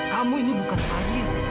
kamu ini bukan fadil